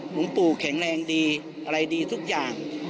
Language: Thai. หลวงปู่แข็งแรงดีอะไรดีทุกอย่าง